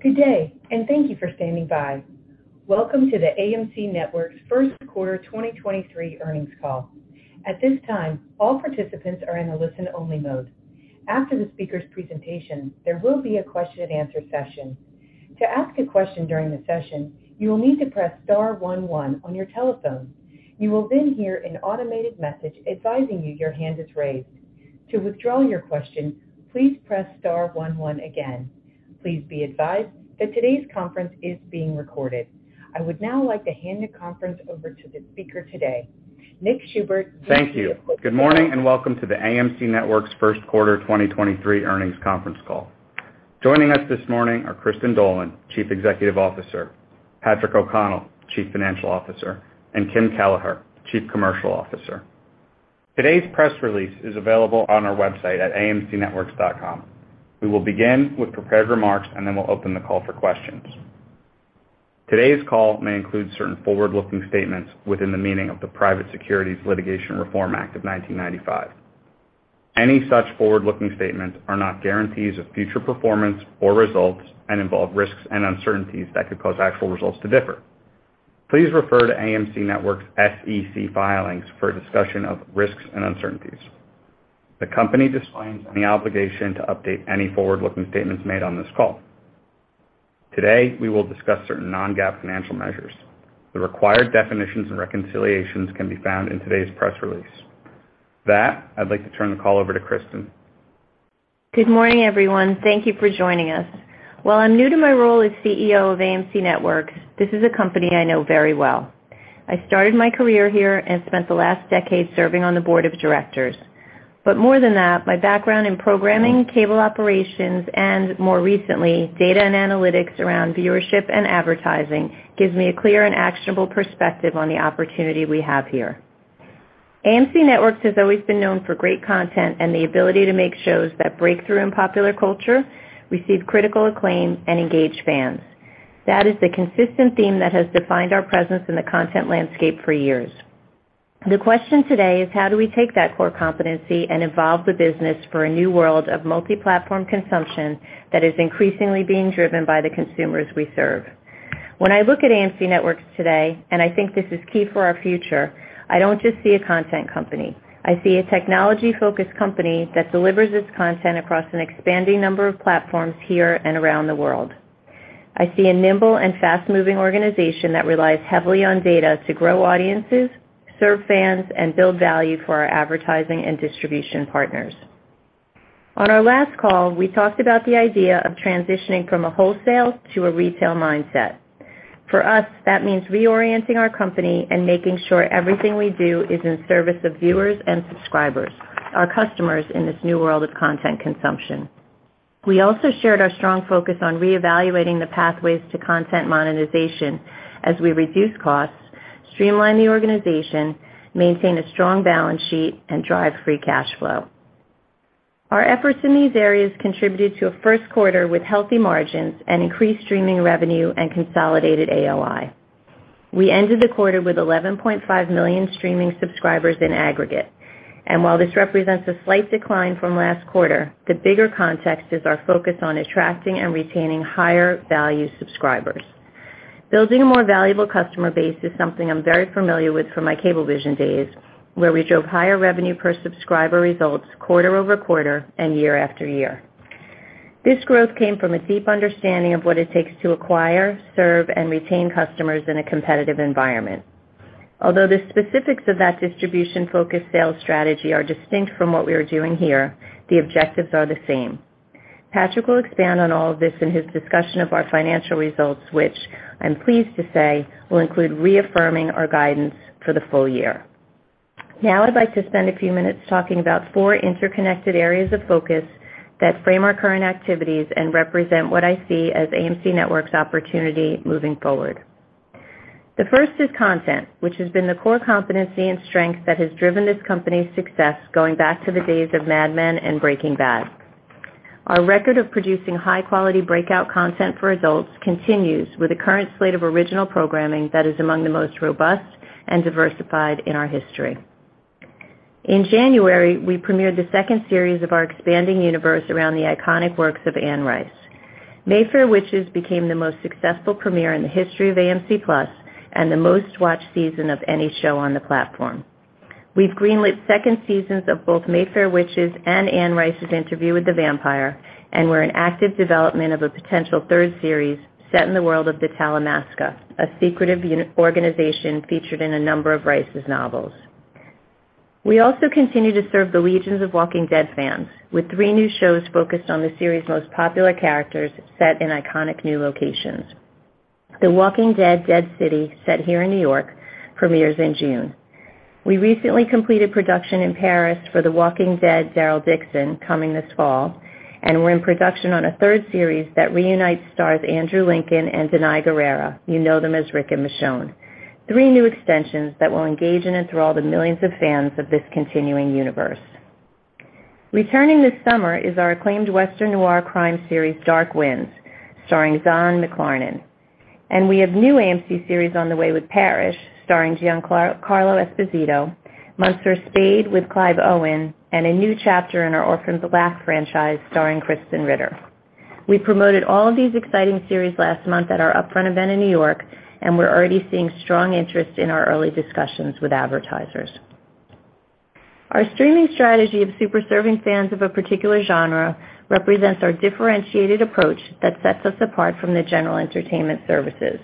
Good day, and thank you for standing by. Welcome to the AMC Networks first quarter 2023 earnings call. At this time, all participants are in a listen-only mode. After the speaker's presentation, there will be a question-and-answer session. To ask a question during the session, you will need to press star one one on your telephone. You will then hear an automated message advising you your hand is raised. To withdraw your question, please press star one one again. Please be advised that today's conference is being recorded. I would now like to hand the conference over to the speaker today. Nick Seibert. Thank you. Good morning, and welcome to the AMC Networks first quarter 2023 earnings conference call. Joining us this morning are Kristin Dolan, Chief Executive Officer, Patrick O'Connell, Chief Financial Officer, and Kim Kelleher, Chief Commercial Officer. Today's press release is available on our website at amcnetworks.com. We will begin with prepared remarks, and then we'll open the call for questions. Today's call may include certain forward-looking statements within the meaning of the Private Securities Litigation Reform Act of 1995. Any such forward-looking statements are not guarantees of future performance or results and involve risks and uncertainties that could cause actual results to differ. Please refer to AMC Networks' SEC filings for a discussion of risks and uncertainties. The company disclaims any obligation to update any forward-looking statements made on this call. Today, we will discuss certain non-GAAP financial measures. The required definitions and reconciliations can be found in today's press release. With that, I'd like to turn the call over to Kristin. Good morning, everyone. Thank you for joining us. While I'm new to my role as CEO of AMC Networks, this is a company I know very well. I started my career here and spent the last decade serving on the board of directors. More than that, my background in programming, cable operations, and more recently, data and analytics around viewership and advertising gives me a clear and actionable perspective on the opportunity we have here. AMC Networks has always been known for great content and the ability to make shows that break through in popular culture, receive critical acclaim, and engage fans. That is the consistent theme that has defined our presence in the content landscape for years. The question today is how do we take that core competency and evolve the business for a new world of multi-platform consumption that is increasingly being driven by the consumers we serve? When I look at AMC Networks today, and I think this is key for our future, I don't just see a content company. I see a technology-focused company that delivers its content across an expanding number of platforms here and around the world. I see a nimble and fast-moving organization that relies heavily on data to grow audiences, serve fans, and build value for our advertising and distribution partners. On our last call, we talked about the idea of transitioning from a wholesale to a retail mindset. For us, that means reorienting our company and making sure everything we do is in service of viewers and subscribers, our customers in this new world of content consumption. We also shared our strong focus on reevaluating the pathways to content monetization as we reduce costs, streamline the organization, maintain a strong balance sheet, and drive free cash flow. Our efforts in these areas contributed to a first quarter with healthy margins and increased streaming revenue and consolidated AOI. We ended the quarter with 11.5 million streaming subscribers in aggregate. While this represents a slight decline from last quarter, the bigger context is our focus on attracting and retaining higher-value subscribers. Building a more valuable customer base is something I'm very familiar with from my Cablevision days, where we drove higher revenue per subscriber results quarter-over-quarter and year-after-year. This growth came from a deep understanding of what it takes to acquire, serve, and retain customers in a competitive environment. Although the specifics of that distribution-focused sales strategy are distinct from what we are doing here, the objectives are the same. Patrick will expand on all of this in his discussion of our financial results, which I'm pleased to say will include reaffirming our guidance for the full year. Now I'd like to spend a few minutes talking about four interconnected areas of focus that frame our current activities and represent what I see as AMC Networks' opportunity moving forward. The first is content, which has been the core competency and strength that has driven this company's success going back to the days of Mad Men and Breaking Bad. Our record of producing high-quality breakout content for adults continues with the current slate of original programming that is among the most robust and diversified in our history. In January, we premiered the second series of our expanding universe around the iconic works of Anne Rice. Mayfair Witches became the most successful premiere in the history of AMC+ and the most-watched season of any show on the platform. We've greenlit second seasons of both Mayfair Witches and Anne Rice's Interview with the Vampire, and we're in active development of a potential third series set in the world of the Talamasca, a secretive organization featured in a number of Rice's novels. We also continue to serve the legions of Walking Dead fans, with three new shows focused on the series' most popular characters set in iconic new locations. The Walking Dead: Dead City, set here in New York, premieres in June. We recently completed production in Paris for The Walking Dead: Daryl Dixon coming this fall, we're in production on a third series that reunites stars Andrew Lincoln and Danai Gurira, you know them as Rick and Michonne. Three new extensions that will engage and enthrall the millions of fans of this continuing universe. Returning this summer is our acclaimed Western noir crime series, Dark Winds, starring Zahn McClarnon. We have new AMC series on the way with Parish, starring Giancarlo Esposito, Monsieur Spade with Clive Owen, and a new chapter in our Orphan Black franchise starring Krysten Ritter. We promoted all of these exciting series last month at our upfront event in New York, we're already seeing strong interest in our early discussions with advertisers. Our streaming strategy of super serving fans of a particular genre represents our differentiated approach that sets us apart from the general entertainment services.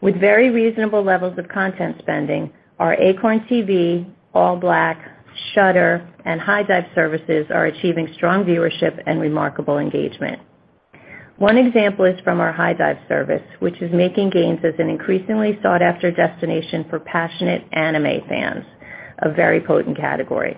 With very reasonable levels of content spending, our Acorn TV, ALLBLK, Shudder and HIDIVE services are achieving strong viewership and remarkable engagement. One example is from our HIDIVE service, which is making gains as an increasingly sought-after destination for passionate anime fans, a very potent category.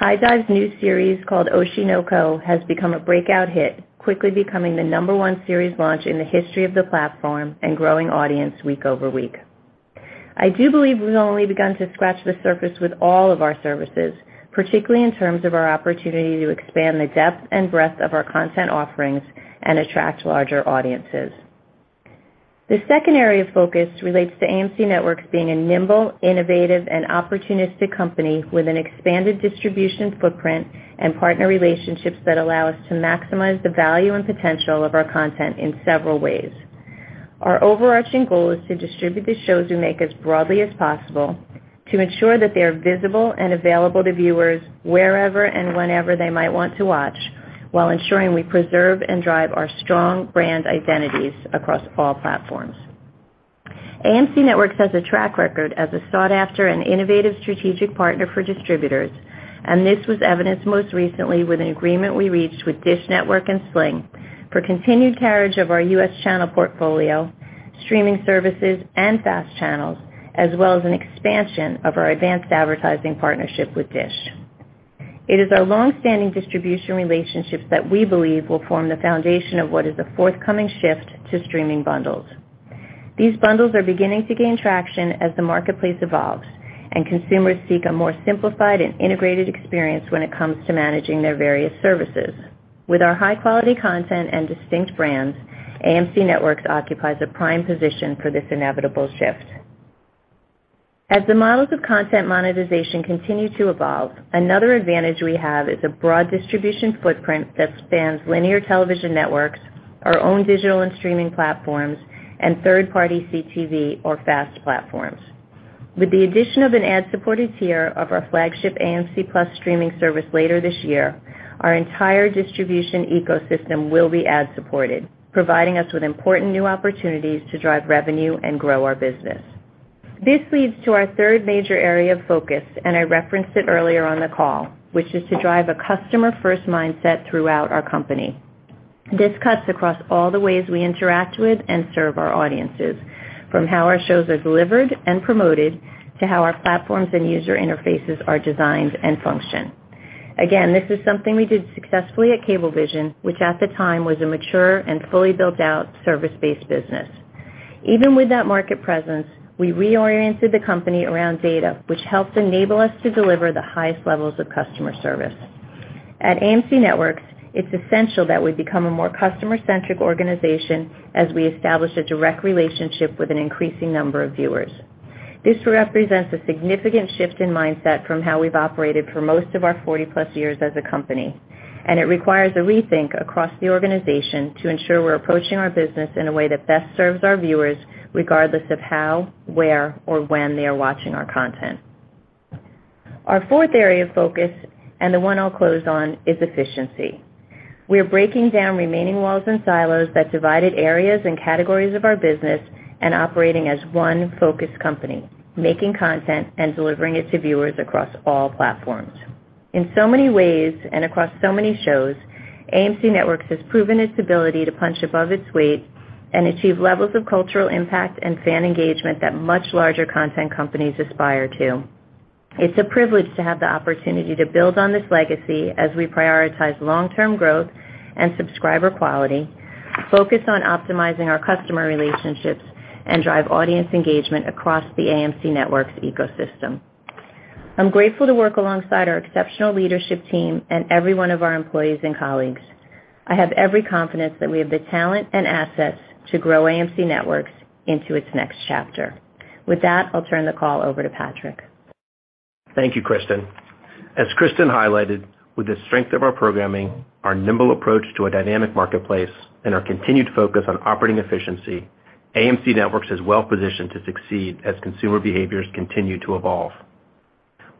HIDIVE's new series called Oshi no Ko, has become a breakout hit, quickly becoming the number one series launch in the history of the platform and growing audience week over week. I do believe we've only begun to scratch the surface with all of our services, particularly in terms of our opportunity to expand the depth and breadth of our content offerings and attract larger audiences. The second area of focus relates to AMC Networks being a nimble, innovative and opportunistic company with an expanded distribution footprint and partner relationships that allow us to maximize the value and potential of our content in several ways. Our overarching goal is to distribute the shows we make as broadly as possible to ensure that they are visible and available to viewers wherever and whenever they might want to watch, while ensuring we preserve and drive our strong brand identities across all platforms. AMC Networks has a track record as a sought-after and innovative strategic partner for distributors. This was evidenced most recently with an agreement we reached with DISH Network and Sling for continued carriage of our U.S. channel portfolio, streaming services and FAST channels, as well as an expansion of our advanced advertising partnership with DISH. It is our long-standing distribution relationships that we believe will form the foundation of what is a forthcoming shift to streaming bundles. These bundles are beginning to gain traction as the marketplace evolves and consumers seek a more simplified and integrated experience when it comes to managing their various services. With our high-quality content and distinct brands, AMC Networks occupies a prime position for this inevitable shift. As the models of content monetization continue to evolve, another advantage we have is a broad distribution footprint that spans linear television networks, our own digital and streaming platforms, and third-party CTV or FAST platforms. With the addition of an ad-supported tier of our flagship AMC+ streaming service later this year, our entire distribution ecosystem will be ad supported, providing us with important new opportunities to drive revenue and grow our business. This leads to our third major area of focus, I referenced it earlier on the call, which is to drive a customer-first mindset throughout our company. This cuts across all the ways we interact with and serve our audiences from how our shows are delivered and promoted to how our platforms and user interfaces are designed and function. Again, this is something we did successfully at Cablevision, which at the time was a mature and fully built-out service-based business. Even with that market presence, we reoriented the company around data, which helped enable us to deliver the highest levels of customer service. At AMC Networks, it's essential that we become a more customer-centric organization as we establish a direct relationship with an increasing number of viewers. This represents a significant shift in mindset from how we've operated for most of our 40+ years as a company. It requires a rethink across the organization to ensure we're approaching our business in a way that best serves our viewers, regardless of how, where, or when they are watching our content. Our fourth area of focus, and the one I'll close on, is efficiency. We are breaking down remaining walls and silos that divided areas and categories of our business and operating as one focused company, making content and delivering it to viewers across all platforms. In so many ways and across so many shows, AMC Networks has proven its ability to punch above its weight and achieve levels of cultural impact and fan engagement that much larger content companies aspire to. It's a privilege to have the opportunity to build on this legacy as we prioritize long-term growth and subscriber quality, focus on optimizing our customer relationships, and drive audience engagement across the AMC Networks ecosystem. I'm grateful to work alongside our exceptional leadership team and every one of our employees and colleagues. I have every confidence that we have the talent and assets to grow AMC Networks into its next chapter. With that, I'll turn the call over to Patrick. Thank you, Kristin. As Kristin highlighted, with the strength of our programming, our nimble approach to a dynamic marketplace, and our continued focus on operating efficiency, AMC Networks is well positioned to succeed as consumer behaviors continue to evolve.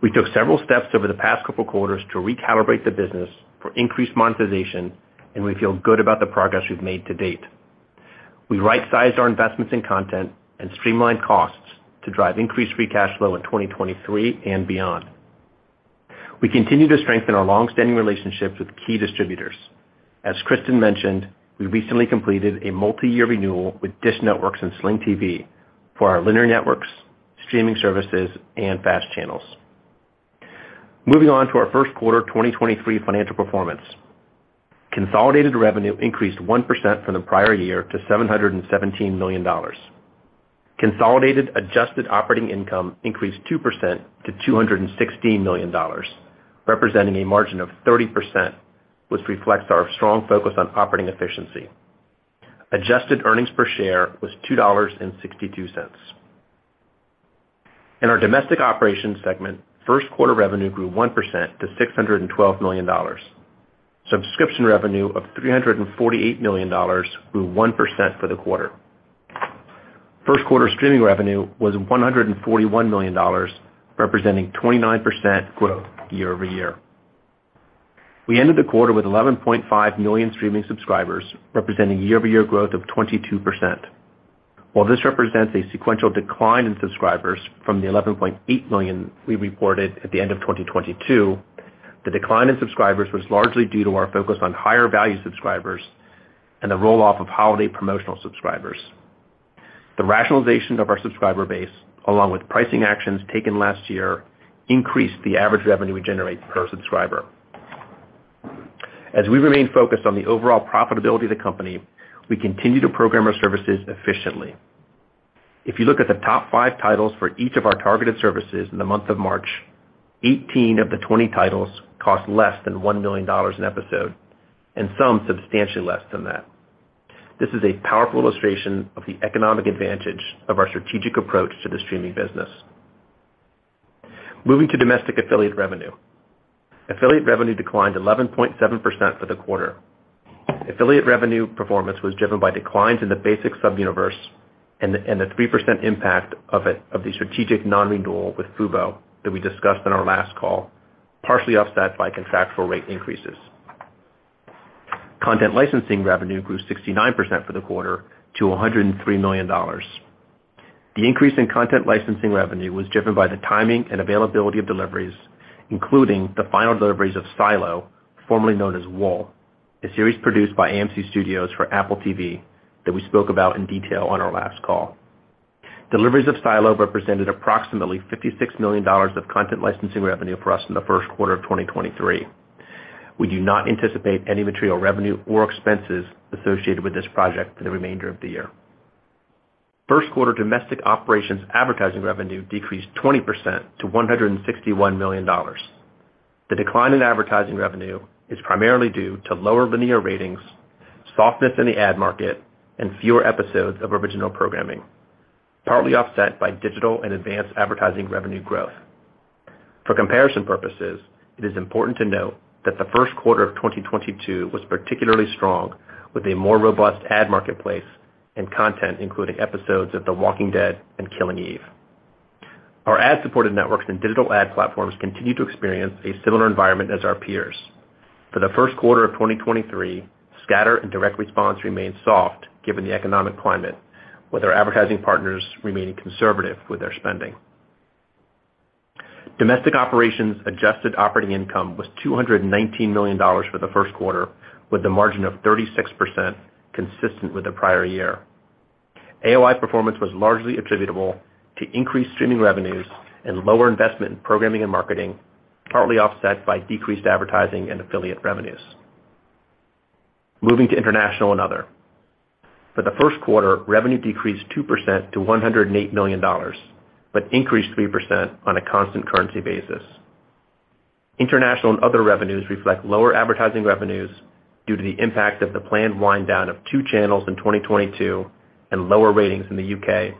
We took several steps over the past couple quarters to recalibrate the business for increased monetization. We feel good about the progress we've made to date. We right-sized our investments in content and streamlined costs to drive increased free cash flow in 2023 and beyond. We continue to strengthen our long-standing relationships with key distributors. As Kristin mentioned, we recently completed a multi-year renewal with DISH Network and Sling TV for our linear networks, streaming services and FAST channels. Moving on to our first quarter 2023 financial performance. Consolidated revenue increased 1% from the prior year to $717 million. Consolidated adjusted operating income increased 2% to $216 million, representing a margin of 30%, which reflects our strong focus on operating efficiency. Adjusted earnings per share was $2.62. In our domestic operations segment, first quarter revenue grew 1% to $612 million. Subscription revenue of $348 million grew 1% for the quarter. First quarter streaming revenue was $141 million, representing 29% growth year-over-year. We ended the quarter with 11.5 million streaming subscribers, representing a year-over-year growth of 22%. While this represents a sequential decline in subscribers from the $11.8 million we reported at the end of 2022, the decline in subscribers was largely due to our focus on higher value subscribers and the roll-off of holiday promotional subscribers. The rationalization of our subscriber base, along with pricing actions taken last year, increased the average revenue we generate per subscriber. As we remain focused on the overall profitability of the company, we continue to program our services efficiently. If you look at the top five titles for each of our targeted services in the month of March, 18 of the 20 titles cost less than $1 million an episode, and some substantially less than that. This is a powerful illustration of the economic advantage of our strategic approach to the streaming business. Moving to domestic affiliate revenue. Affiliate revenue declined 11.7% for the quarter. Affiliate revenue performance was driven by declines in the basic sub-universe and the 3% impact of the strategic non-renewal with Fubo that we discussed on our last call, partially offset by contractual rate increases. Content licensing revenue grew 69% for the quarter to $103 million. The increase in content licensing revenue was driven by the timing and availability of deliveries, including the final deliveries of Silo, formerly known as Wool, a series produced by AMC Studios for Apple TV that we spoke about in detail on our last call. Deliveries of Silo represented approximately $56 million of content licensing revenue for us in the first quarter of 2023. We do not anticipate any material revenue or expenses associated with this project for the remainder of the year. First quarter domestic operations advertising revenue decreased 20% to $161 million. The decline in advertising revenue is primarily due to lower linear ratings, softness in the ad market, and fewer episodes of original programming, partly offset by digital and advanced advertising revenue growth. For comparison purposes, it is important to note that the first quarter of 2022 was particularly strong with a more robust ad marketplace and content, including episodes of The Walking Dead and Killing Eve. Our ad-supported networks and digital ad platforms continue to experience a similar environment as our peers. For the first quarter of 2023, scatter and direct response remained soft given the economic climate, with our advertising partners remaining conservative with their spending. Domestic operations adjusted operating income was $219 million for the first quarter, with a margin of 36% consistent with the prior year. AOI performance was largely attributable to increased streaming revenues and lower investment in programming and marketing, partly offset by decreased advertising and affiliate revenues. Moving to international and other. For the first quarter, revenue decreased 2% to $108 million, but increased 3% on a constant currency basis. International and other revenues reflect lower advertising revenues due to the impact of the planned wind down of two channels in 2022 and lower ratings in the U.K.,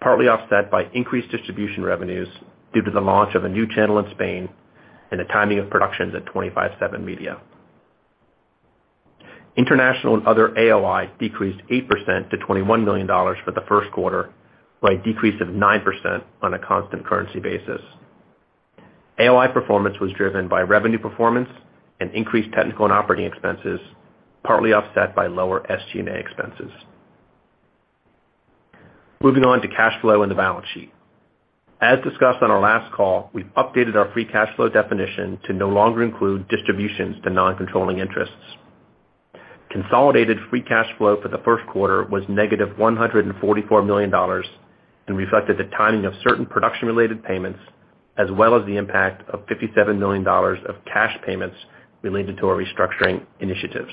partly offset by increased distribution revenues due to the launch of a new channel in Spain and the timing of productions at 25/7 Media. International and other AOI decreased 8% to $21 million for the first quarter, by a decrease of 9% on a constant currency basis. AOI performance was driven by revenue performance and increased technical and operating expenses, partly offset by lower SG&A expenses. Moving on to cash flow and the balance sheet. As discussed on our last call, we've updated our free cash flow definition to no longer include distributions to non-controlling interests. Consolidated free cash flow for the first quarter was negative $144 million and reflected the timing of certain production-related payments, as well as the impact of $57 million of cash payments related to our restructuring initiatives.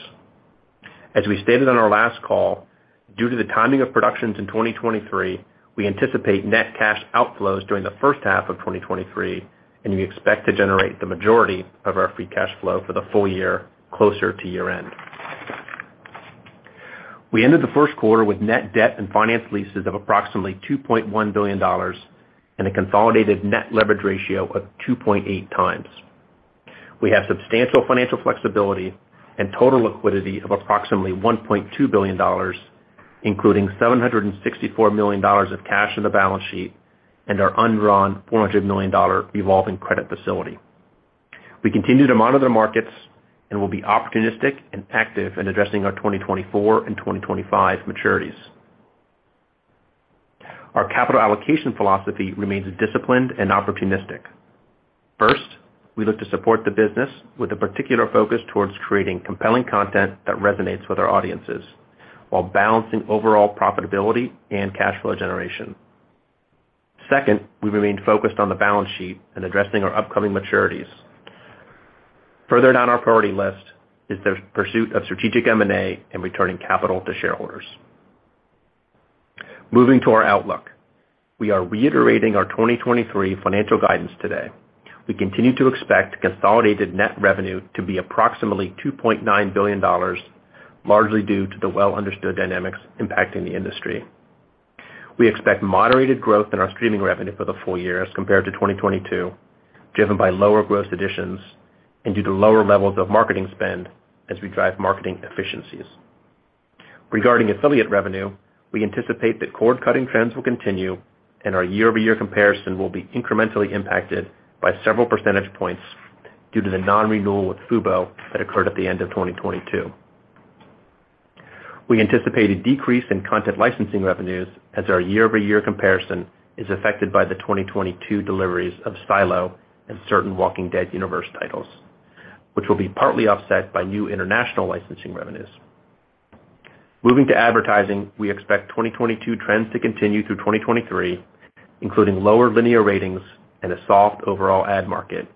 As we stated on our last call, due to the timing of productions in 2023, we anticipate net cash outflows during the first half of 2023, and we expect to generate the majority of our free cash flow for the full year closer to year-end. We ended the first quarter with net debt and finance leases of approximately $2.1 billion and a consolidated net leverage ratio of 2.8x. We have substantial financial flexibility and total liquidity of approximately $1.2 billion, including $764 million of cash on the balance sheet and our undrawn $400 million revolving credit facility. We continue to monitor the markets and will be opportunistic and active in addressing our 2024 and 2025 maturities. Our capital allocation philosophy remains disciplined and opportunistic. First, we look to support the business with a particular focus towards creating compelling content that resonates with our audiences while balancing overall profitability and cash flow generation. Second, we remain focused on the balance sheet and addressing our upcoming maturities. Further down our priority list is the pursuit of strategic M&A and returning capital to shareholders. Moving to our outlook. We are reiterating our 2023 financial guidance today. We continue to expect consolidated net revenue to be approximately $2.9 billion, largely due to the well-understood dynamics impacting the industry. We expect moderated growth in our streaming revenue for the full year as compared to 2022, driven by lower gross additions and due to lower levels of marketing spend as we drive marketing efficiencies. Regarding affiliate revenue, we anticipate that cord-cutting trends will continue and our year-over-year comparison will be incrementally impacted by several percentage points due to the non-renewal with Fubo that occurred at the end of 2022. We anticipate a decrease in content licensing revenues as our year-over-year comparison is affected by the 2022 deliveries of Silo and certain Walking Dead universe titles, which will be partly offset by new international licensing revenues. Moving to advertising, we expect 2022 trends to continue through 2023, including lower linear ratings and a soft overall ad market,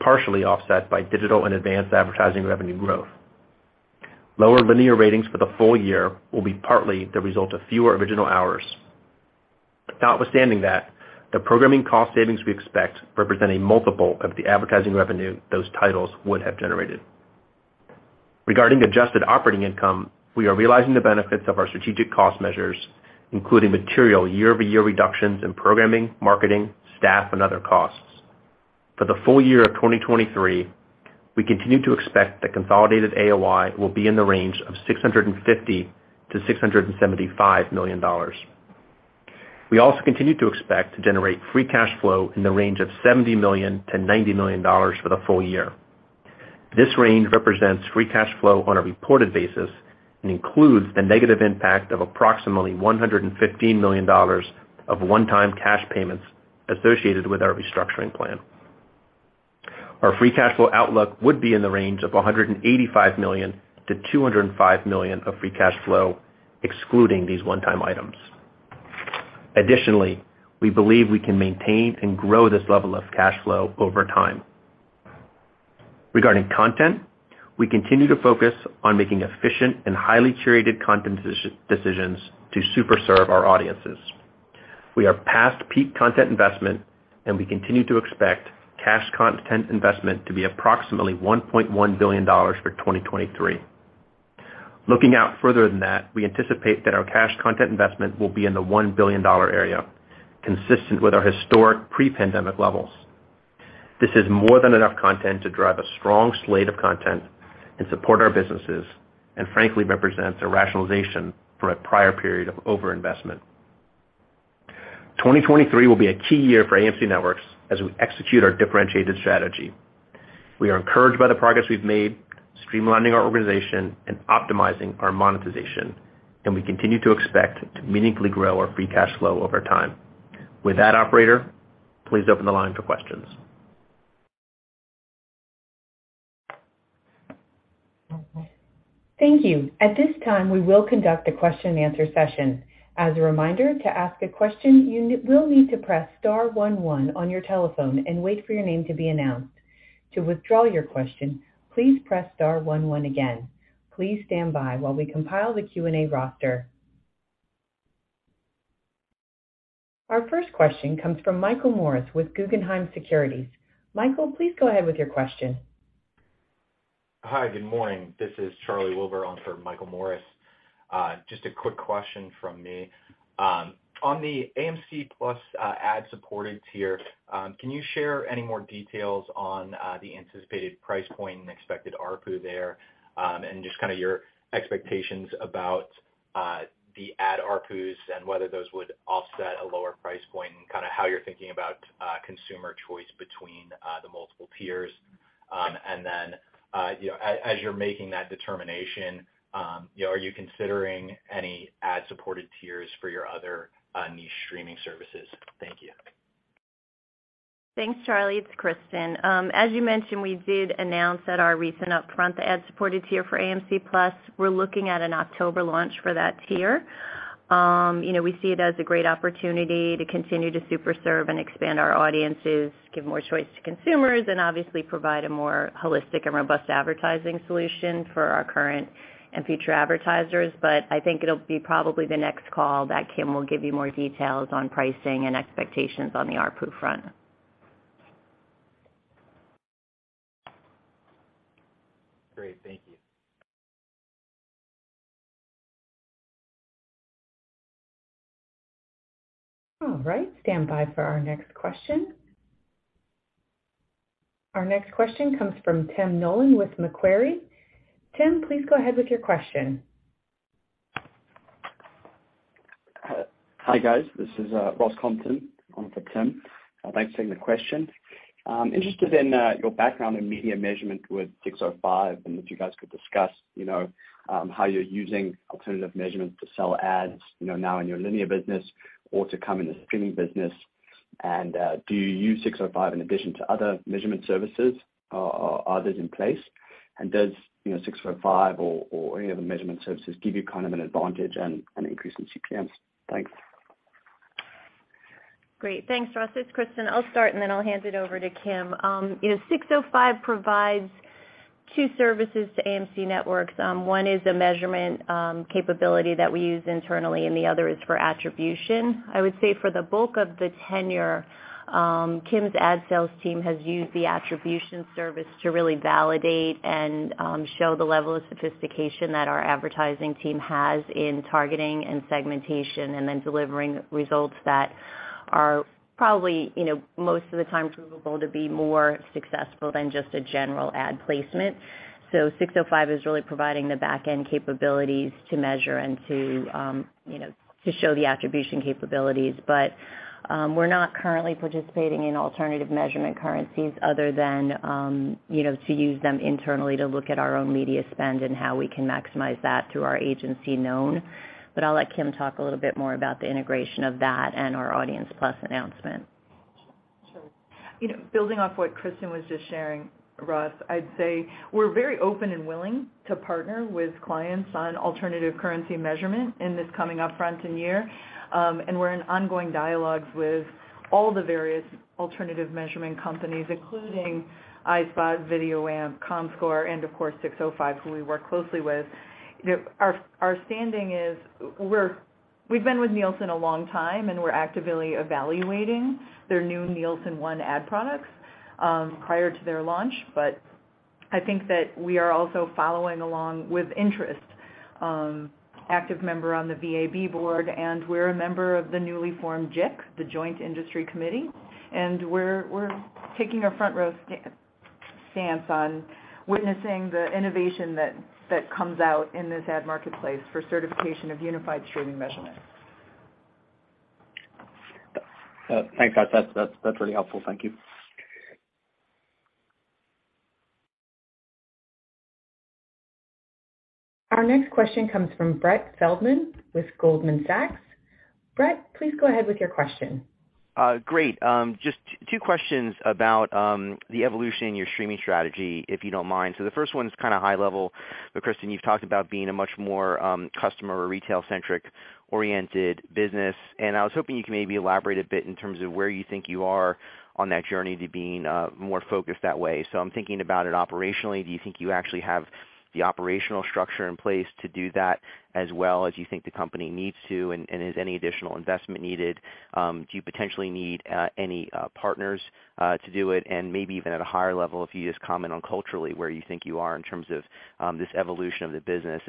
partially offset by digital and advanced advertising revenue growth. Lower linear ratings for the full year will be partly the result of fewer original hours. Notwithstanding that, the programming cost savings we expect represent a multiple of the advertising revenue those titles would have generated. Regarding adjusted operating income, we are realizing the benefits of our strategic cost measures, including material year-over-year reductions in programming, marketing, staff, and other costs. For the full year of 2023, we continue to expect that consolidated AOI will be in the range of $650 million-$675 million. We also continue to expect to generate free cash flow in the range of $70 million-$90 million for the full year. This range represents free cash flow on a reported basis and includes the negative impact of approximately $115 million of one-time cash payments associated with our restructuring plan. Our free cash flow outlook would be in the range of $185 million-$205 million of free cash flow, excluding these one-time items. Additionally, we believe we can maintain and grow this level of cash flow over time. Regarding content, we continue to focus on making efficient and highly curated content decisions to super-serve our audiences. We are past peak content investment, and we continue to expect cash content investment to be approximately $1.1 billion for 2023. Looking out further than that, we anticipate that our cash content investment will be in the $1 billion area, consistent with our historic pre-pandemic levels. This is more than enough content to drive a strong slate of content and support our businesses and frankly represents a rationalization for a prior period of overinvestment. 2023 will be a key year for AMC Networks as we execute our differentiated strategy. We are encouraged by the progress we've made streamlining our organization and optimizing our monetization, and we continue to expect to meaningfully grow our free cash flow over time. With that, operator, please open the line for questions. Thank you. At this time, we will conduct a question-and-answer session. As a reminder, to ask a question, you will need to press star one one on your telephone and wait for your name to be announced. To withdraw your question, please press star one one again. Please stand by while we compile the Q&A roster. Our first question comes from Michael Morris with Guggenheim Securities. Michael, please go ahead with your question. Hi. Good morning. This is Charlie Wilber on for Michael Morris. Just a quick question from me. On the AMC+ ad-supported tier, can you share any more details on the anticipated price point and expected ARPU there, and just kinda your expectations about the ad ARPUs and whether those would offset a lower price point and kinda how you're thinking about consumer choice between the multiple tiers? Then, you know, as you're making that determination, you know, are you considering any ad-supported tiers for your other niche streaming services? Thank you. Thanks, Charlie. It's Kristin. As you mentioned, we did announce at our recent upfront the ad-supported tier for AMC+. We're looking at an October launch for that tier. you know, we see it as a great opportunity to continue to super-serve and expand our audiences, give more choice to consumers, and obviously provide a more holistic and robust advertising solution for our current and future advertisers. I think it'll be probably the next call that Kim will give you more details on pricing and expectations on the ARPU front. Great. Thank you. All right. Stand by for our next question. Our next question comes from Tim Nollen with Macquarie. Tim, please go ahead with your question. Hi, guys. This is Ross Compton on for Tim. Thanks for taking the question. Interested in your background in media measurement with 605 and if you guys could discuss, you know, how you're using alternative measurements to sell ads, you know, now in your linear business or to come in the streaming business. Do you use 605 in addition to other measurement services, or are others in place? Does, you know, 605 or any other measurement services give you kind of an advantage and an increase in CPMs? Thanks. Great. Thanks, Ross. It's Kristin. I'll start, and then I'll hand it over to Kim. You know, 605 provides two services to AMC Networks. One is a measurement capability that we use internally, and the other is for attribution. I would say for the bulk of the tenure, Kim's ad sales team has used the attribution service to really validate and show the level of sophistication that our advertising team has in targeting and segmentation, and then delivering results that are probably, you know, most of the time provable to be more successful than just a general ad placement. 605 is really providing the back-end capabilities to measure and to, you know, to show the attribution capabilities. We're not currently participating in alternative measurement currencies other than, you know, to use them internally to look at our own media spend and how we can maximize that through our agency known. I'll let Kim talk a little bit more about the integration of that and our Audience+ announcement. Sure. You know, building off what Kristin was just sharing, Ross, I'd say we're very open and willing to partner with clients on alternative currency measurement in this coming upfront and year. We're in ongoing dialogues with all the various alternative measurement companies, including iSpot, VideoAmp, Comscore, and of course, 605, who we work closely with. You know, our standing is we've been with Nielsen a long time, and we're actively evaluating their new Nielsen ONE ad products prior to their launch. I think that we are also following along with interest, active member on the VAB board, and we're a member of the newly formed JIC, the Joint Industry Committee. We're taking a front row stance on witnessing the innovation that comes out in this ad marketplace for certification of unified streaming measurements. Thanks. That's really helpful. Thank you. Our next question comes from Brett Feldman with Goldman Sachs. Brett, please go ahead with your question. Great. Just two questions about the evolution in your streaming strategy, if you don't mind. The first one is kind of high level, but Kristin, you've talked about being a much more customer or retail-centric oriented business, and I was hoping you could maybe elaborate a bit in terms of where you think you are on that journey to being more focused that way. I'm thinking about it operationally. Do you think you actually have the operational structure in place to do that as well as you think the company needs to, and is any additional investment needed? Do you potentially need any partners to do it? Maybe even at a higher level, if you just comment on culturally, where you think you are in terms of this evolution of the business.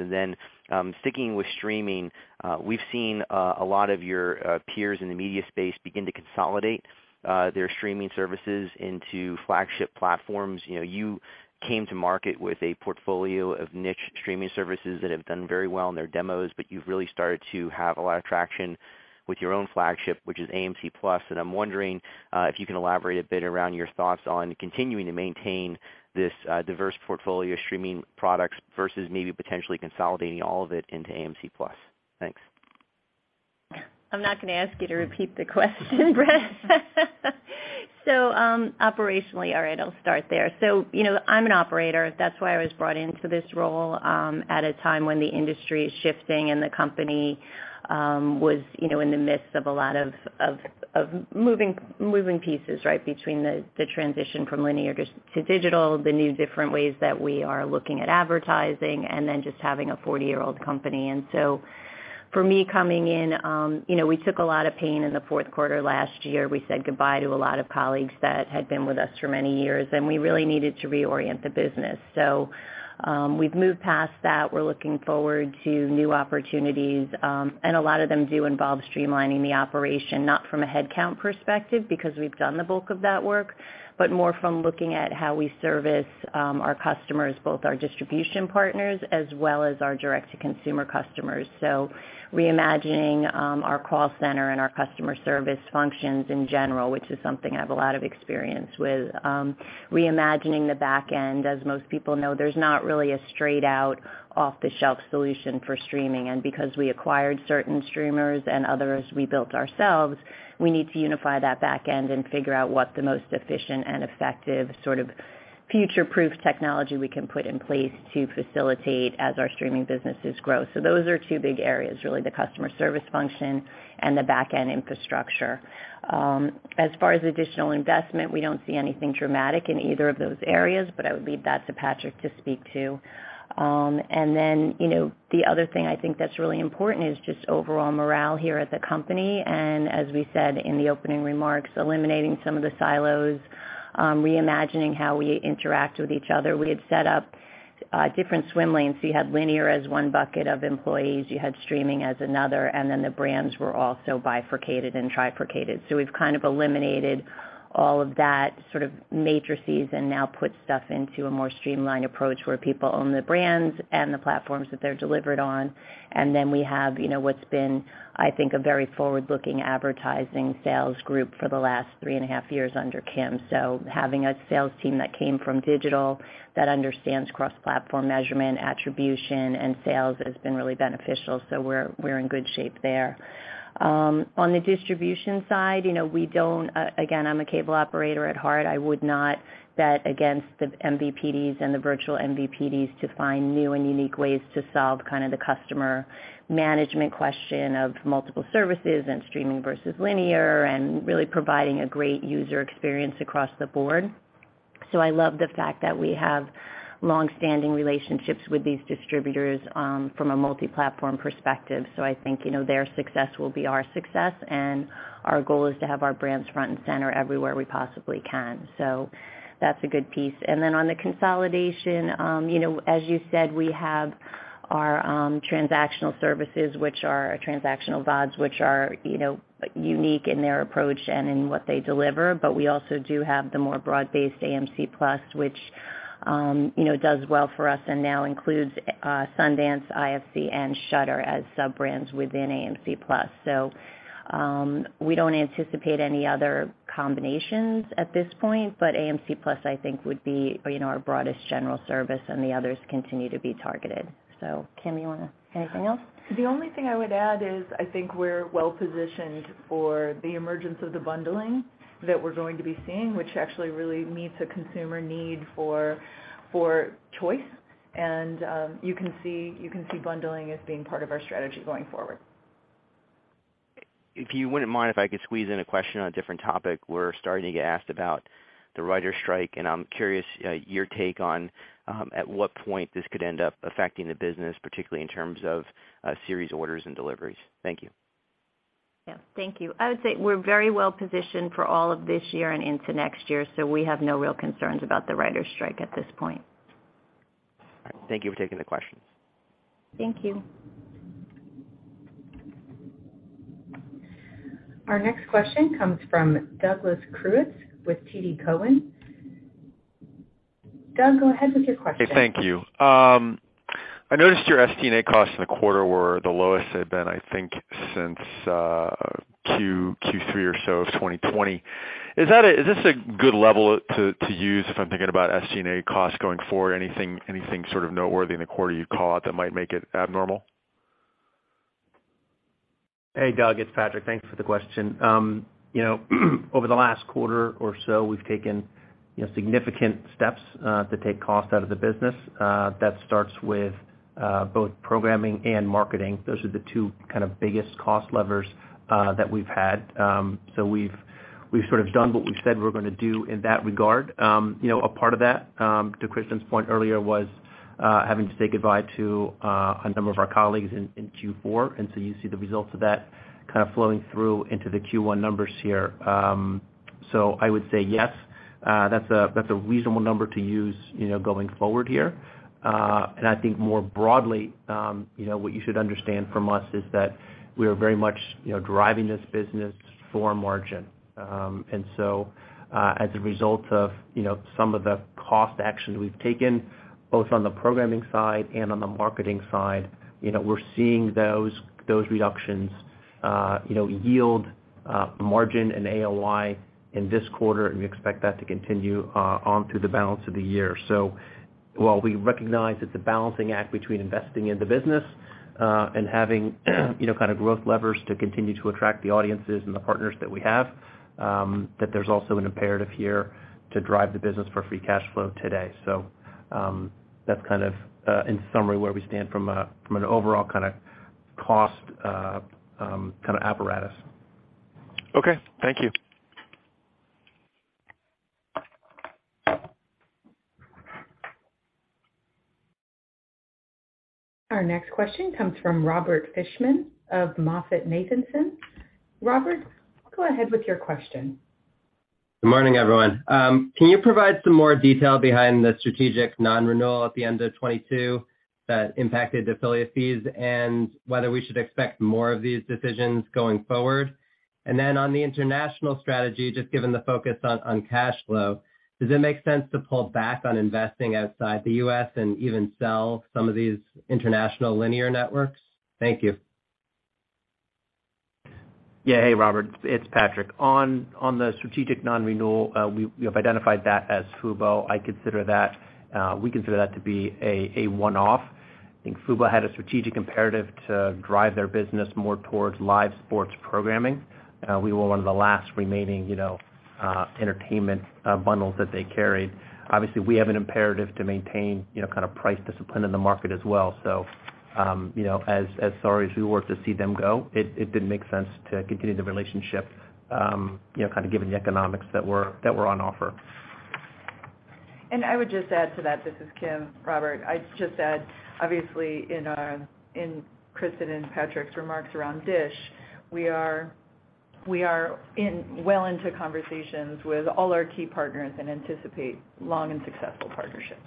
Sticking with streaming, we've seen a lot of your peers in the media space begin to consolidate their streaming services into flagship platforms. You know, you came to market with a portfolio of niche streaming services that have done very well in their demos, but you've really started to have a lot of traction with your own flagship, which is AMC+. I'm wondering if you can elaborate a bit around your thoughts on continuing to maintain this diverse portfolio streaming products versus maybe potentially consolidating all of it into AMC+. Thanks. I'm not gonna ask you to repeat the question, Brett. Operationally, all right, I'll start there. You know, I'm an operator. That's why I was brought into this role at a time when the industry is shifting and the company was, you know, in the midst of a lot of moving pieces, right? Between the transition from linear just to digital, the new different ways that we are looking at advertising, and then just having a 40-year-old company. For me, coming in, you know, we took a lot of pain in the fourth quarter last year. We said goodbye to a lot of colleagues that had been with us for many years, and we really needed to reorient the business. We've moved past that. We're looking forward to new opportunities, and a lot of them do involve streamlining the operation, not from a headcount perspective, because we've done the bulk of that work, but more from looking at how we service our customers, both our distribution partners as well as our direct-to-consumer customers. Reimagining our call center and our customer service functions in general, which is something I have a lot of experience with. Reimagining the back end. As most people know, there's not really a straight out, off-the-shelf solution for streaming. Because we acquired certain streamers and others we built ourselves, we need to unify that back end and figure out what the most efficient and effective, sort of future-proof technology we can put in place to facilitate as our streaming businesses grow. Those are two big areas, really, the customer service function and the back-end infrastructure. As far as additional investment, we don't see anything dramatic in either of those areas, but I would leave that to Patrick to speak to. Then, you know, the other thing I think that's really important is just overall morale here at the company, and as we said in the opening remarks, eliminating some of the silos, reimagining how we interact with each other. We had set up different swim lanes. You had linear as one bucket of employees, you had streaming as another, and then the brands were also bifurcated and trifurcated. We've kind of eliminated all of that sort of matrices and now put stuff into a more streamlined approach where people own the brands and the platforms that they're delivered on. Then we have, you know, what's been, I think, a very forward-looking advertising sales group for the last 3.5 years under Kim. Having a sales team that came from digital that understands cross-platform measurement, attribution, and sales has been really beneficial, so we're in good shape there. On the distribution side, you know, again, I'm a cable operator at heart. I would not bet against the MVPDs and the virtual MVPDs to find new and unique ways to solve kinda the customer management question of multiple services and streaming versus linear and really providing a great user experience across the board. I love the fact that we have longstanding relationships with these distributors, from a multi-platform perspective. I think, you know, their success will be our success, and our goal is to have our brands front and center everywhere we possibly can. That's a good piece. On the consolidation, you know, as you said, we have our transactional services, which are our transactional VODs, which are, you know, unique in their approach and in what they deliver. We also do have the more broad-based AMC+ which, you know, does well for us and now includes SundanceTV, IFC, and Shudder as sub-brands within AMC+. We don't anticipate any other combinations at this point, but AMC+ I think would be, you know, our broadest general service, and the others continue to be targeted. Kim, Anything else? The only thing I would add is I think we're well-positioned for the emergence of the bundling that we're going to be seeing, which actually really meets a consumer need for choice. You can see bundling as being part of our strategy going forward. If you wouldn't mind, if I could squeeze in a question on a different topic. We're starting to get asked about the writers strike. I'm curious, your take on, at what point this could end up affecting the business, particularly in terms of series orders and deliveries. Thank you. Yeah. Thank you. I would say we're very well-positioned for all of this year and into next year. We have no real concerns about the writers strike at this point. All right. Thank you for taking the questions. Thank you. Our next question comes from Doug Creutz with TD Cowen. Doug, go ahead with your question. Hey. Thank you. I noticed your SG&A costs in the quarter were the lowest they've been, I think, since Q3 or so of 2020. Is this a good level to use if I'm thinking about SG&A costs going forward? Anything sort of noteworthy in the quarter you'd call out that might make it abnormal? Hey, Doug. It's Patrick. Thanks for the question. You know, over the last quarter or so, we've taken, you know, significant steps to take cost out of the business. That starts with both programming and marketing. Those are the two kind of biggest cost levers that we've had. We've sort of done what we said we're gonna do in that regard. You know, a part of that, to Kristin's point earlier, was having to say goodbye to a number of our colleagues in Q4, you see the results of that kind of flowing through into the Q1 numbers here. I would say yes, that's a reasonable number to use, you know, going forward here. I think more broadly, what you should understand from us is that we are very much driving this business for margin. As a result of some of the cost actions we've taken both on the programming side and on the marketing side, we're seeing those reductions yield margin and AOI in this quarter, and we expect that to continue on through the balance of the year. While we recognize it's a balancing act between investing in the business and having kind of growth levers to continue to attract the audiences and the partners that we have, that there's also an imperative here to drive the business for free cash flow today. That's kind of, in summary, where we stand from an overall kind of cost, kind of apparatus. Okay. Thank you. Our next question comes from Robert Fishman of MoffettNathanson. Robert, go ahead with your question. Good morning, everyone. Can you provide some more detail behind the strategic non-renewal at the end of 2022 that impacted affiliate fees and whether we should expect more of these decisions going forward? On the international strategy, just given the focus on cash flow, does it make sense to pull back on investing outside the U.S. and even sell some of these international linear networks? Thank you. Hey, Robert. It's Patrick. On the strategic non-renewal, we have identified that as Fubo. We consider that to be a one-off. I think Fubo had a strategic imperative to drive their business more towards live sports programming. We were one of the last remaining, you know, entertainment bundles that they carried. Obviously, we have an imperative to maintain, you know, kind of price discipline in the market as well. As sorry as we were to see them go, it didn't make sense to continue the relationship, you know, kind of given the economics that were on offer. I would just add to that. This is Kim. Robert, I'd just add, obviously in Kristin and Patrick's remarks around Dish, we are well into conversations with all our key partners and anticipate long and successful partnerships.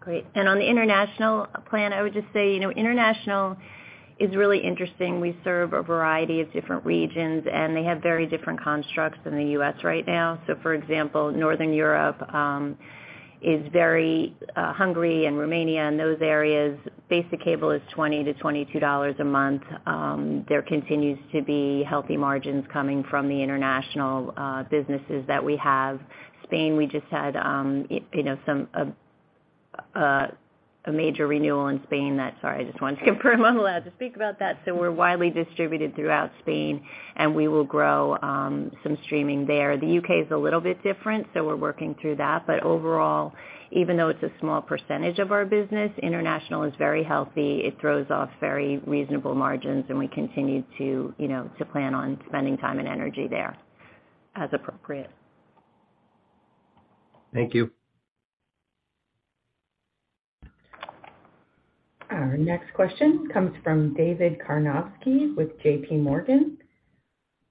Great. On the international plan, I would just say, you know, international is really interesting. We serve a variety of different regions, and they have very different constructs than the U.S. right now. For example, Northern Europe is very, Hungary and Romania and those areas. Basic cable is $20-$22 a month. There continues to be healthy margins coming from the international businesses that we have. Spain, we just had, you know, some a major renewal in Spain that. Sorry, I just wanted to confirm I'm allowed to speak about that. We're widely distributed throughout Spain, and we will grow some streaming there. The U.K. is a little bit different, so we're working through that. Overall, even though it's a small percentage of our business, international is very healthy. It throws off very reasonable margins, and we continue to, you know, to plan on spending time and energy there as appropriate. Thank you. Our next question comes from David Karnovsky with JPMorgan.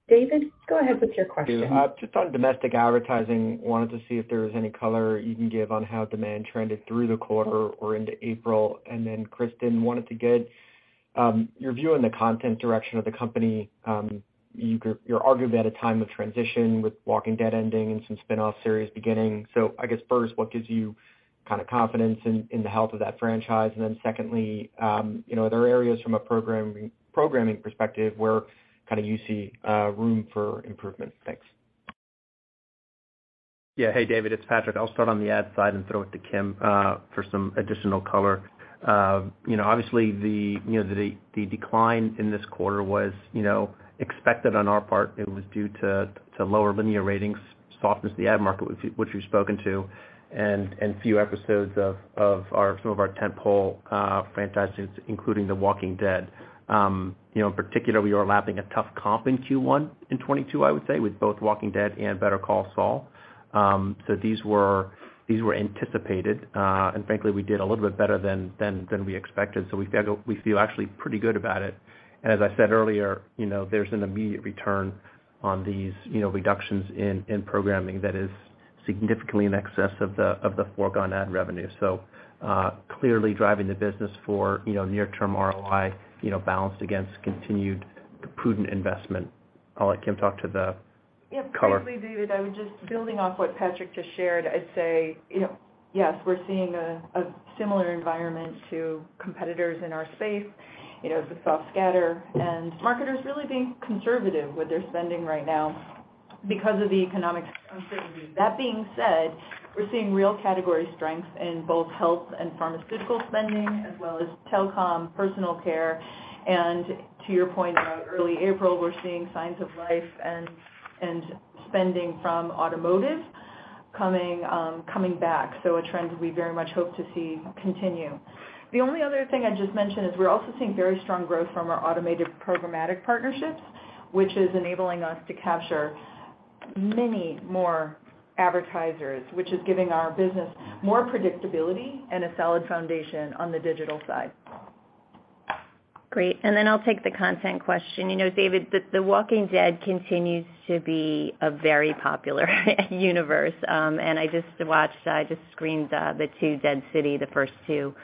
David, go ahead with your question. Just on domestic advertising, wanted to see if there was any color you can give on how demand trended through the quarter or into April. Kristin wanted to get, your view on the content direction of the company, you're arguably at a time of transition with Walking Dead ending and some spinoff series beginning. I guess first, what gives you kind of confidence in the health of that franchise? Secondly, you know, are there areas from a programming perspective where kind of you see room for improvement? Thanks. Yeah. Hey, David, it's Patrick. I'll start on the ad side and throw it to Kim for some additional color. You know, obviously the decline in this quarter was, you know, expected on our part. It was due to lower linear ratings, softness in the ad market, which we've spoken to, and few episodes of some of our tent-pole franchises, including The Walking Dead. You know, in particular, we are lapping a tough comp in Q1 in 22, I would say, with both Walking Dead and Better Call Saul. These were anticipated, and frankly, we did a little bit better than we expected. We feel actually pretty good about it. As I said earlier, you know, there's an immediate return on these, you know, reductions in programming that is significantly in excess of the, of the foregone ad revenue. Clearly driving the business for, you know, near term ROI, you know, balanced against continued prudent investment. I'll let Kim talk to the color. Yeah. Briefly, David, I would just building off what Patrick just shared, I'd say, you know, yes, we're seeing a similar environment to competitors in our space. You know, it's a soft scatter. Marketers really being conservative with their spending right now because of the economic uncertainty. That being said, we're seeing real category strength in both health and pharmaceutical spending as well as telecom, personal care. To your point about early April, we're seeing signs of life and spending from automotive coming back. A trend we very much hope to see continue. The only other thing I'd just mention is we're also seeing very strong growth from our automated programmatic partnerships, which is enabling us to capture many more advertisers, which is giving our business more predictability and a solid foundation on the digital side. Great. I'll take the content question. You know, David, The Walking Dead continues to be a very popular universe. I just watched, I just screened the two Dead City, the first two,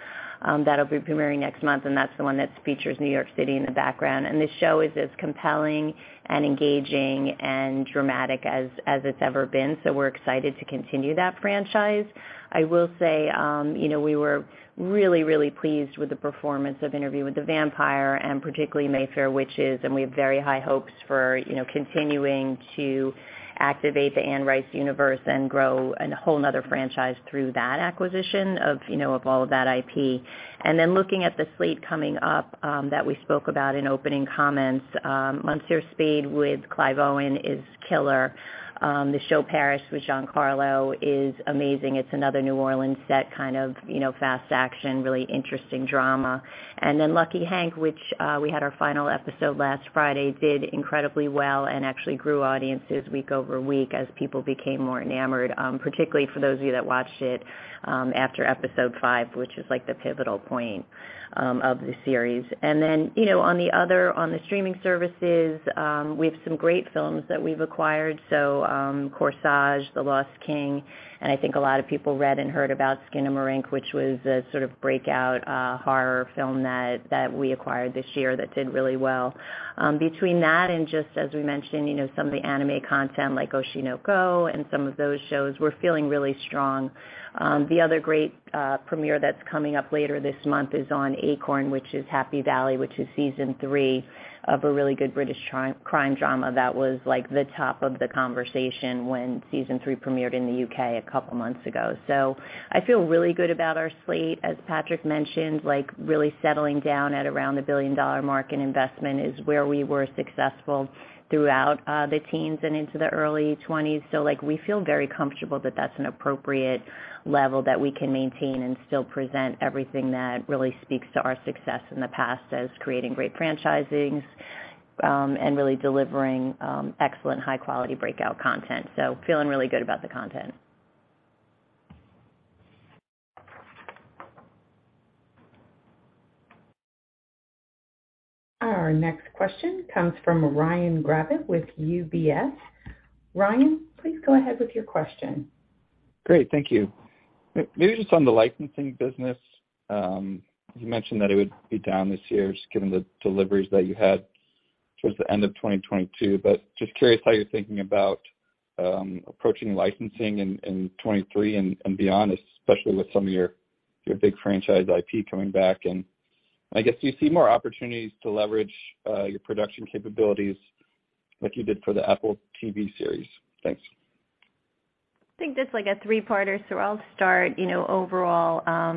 that'll be premiering next month, and that's the one that features New York City in the background. This show is as compelling and engaging and dramatic as it's ever been. We're excited to continue that franchise. I will say, you know, we were really pleased with the performance of Interview with the Vampire, particularly Mayfair Witches, and we have very high hopes for, you know, continuing to activate the Anne Rice universe and grow a whole another franchise through that acquisition of, you know, of all of that IP. Looking at the slate coming up, that we spoke about in opening comments, Monsieur Spade with Clive Owen is killer. The show Parish with Giancarlo is amazing. It's another New Orleans set kind of, you know, fast action, really interesting drama. Lucky Hank, which we had our final episode last Friday, did incredibly well and actually grew audiences week-over-week as people became more enamored, particularly for those of you that watched it, after Episode 5, which is, like, the pivotal point of the series. You know, on the streaming services, we have some great films that we've acquired. Corsage, The Lost King, and I think a lot of people read and heard about Skinamarink, which was a sort of breakout horror film that we acquired this year that did really well. Between that and just as we mentioned, you know, some of the anime content like Oshi no Ko and some of those shows, we're feeling really strong. The other great premiere that's coming up later this month is on Acorn, which is Happy Valley, which is Season 3 of a really good British tri-crime drama that was, like, the top of the conversation when Season 3 premiered in the U.K. a couple months ago. I feel really good about our slate. As Patrick mentioned, like, really settling down at around the billion-dollar mark in investment is where we were successful throughout the teens and into the early twenties. We feel very comfortable that that's an appropriate level that we can maintain and still present everything that really speaks to our success in the past as creating great franchisings, and really delivering excellent high-quality breakout content. Feeling really good about the content. Our next question comes from Ryan Gravett with UBS. Ryan, please go ahead with your question. Great. Thank you. Maybe just on the licensing business, you mentioned that it would be down this year just given the deliveries that you had towards the end of 2022. Just curious how you're thinking about approaching licensing in 2023 and beyond, especially with some of your big franchise IP coming back. I guess, do you see more opportunities to leverage your production capabilities like you did for the Apple TV series? Thanks. I think that's like a three-parter. I'll start. You know, overall,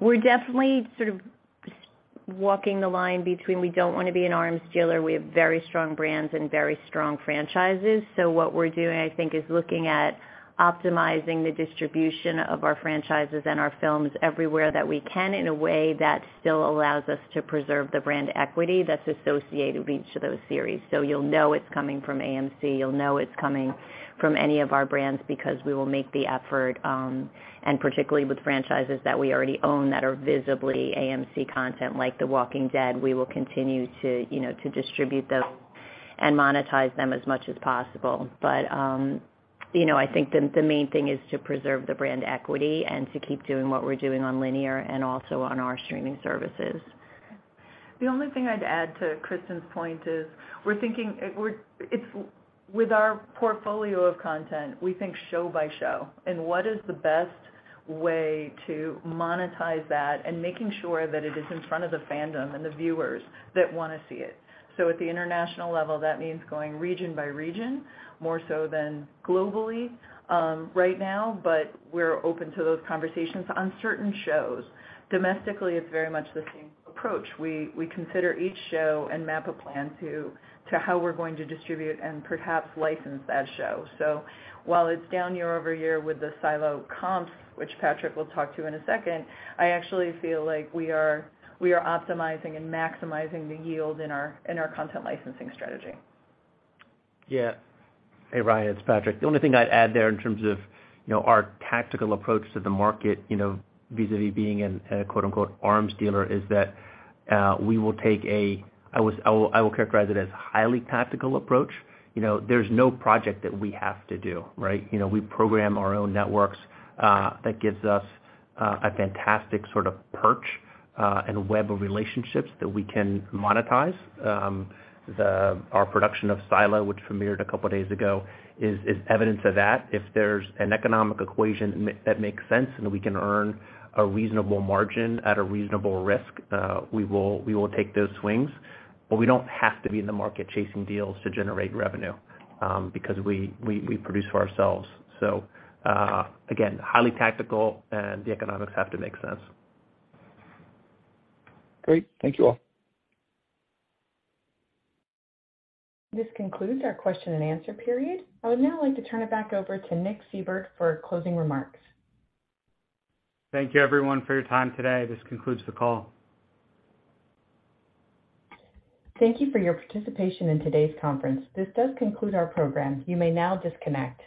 we're definitely sort of walking the line between we don't wanna be an arms dealer. We have very strong brands and very strong franchises. What we're doing, I think, is looking at optimizing the distribution of our franchises and our films everywhere that we can in a way that still allows us to preserve the brand equity that's associated with each of those series. You'll know it's coming from AMC, you'll know it's coming from any of our brands because we will make the effort, and particularly with franchises that we already own that are visibly AMC content, like The Walking Dead, we will continue to, you know, to distribute those and monetize them as much as possible. You know, I think the main thing is to preserve the brand equity and to keep doing what we're doing on linear and also on our streaming services. The only thing I'd add to Kristin's point is With our portfolio of content, we think show by show and what is the best way to monetize that and making sure that it is in front of the fandom and the viewers that wanna see it. At the international level, that means going region by region, more so than globally, right now, but we're open to those conversations on certain shows. Domestically, it's very much the same approach. We consider each show and map a plan to how we're going to distribute and perhaps license that show. While it's down year-over-year with the Silo comps, which Patrick will talk to in a second, I actually feel like we are, we are optimizing and maximizing the yield in our, in our content licensing strategy. Yeah. Hey, Ryan, it's Patrick. The only thing I'd add there in terms of, you know, our tactical approach to the market, you know, vis-à-vis being an, a quote-unquote, arms dealer, is that we will characterize it as highly tactical approach. You know, there's no project that we have to do, right? You know, we program our own networks, that gives us a fantastic sort of perch and web of relationships that we can monetize. Our production of Silo, which premiered a couple days ago, is evidence of that. If there's an economic equation that makes sense and we can earn a reasonable margin at a reasonable risk, we will take those swings. We don't have to be in the market chasing deals to generate revenue, because we produce for ourselves. Again, highly tactical and the economics have to make sense. Great. Thank you all. This concludes our question and answer period. I would now like to turn it back over to Nick Seibert for closing remarks. Thank you everyone for your time today. This concludes the call. Thank you for your participation in today's conference. This does conclude our program. You may now disconnect.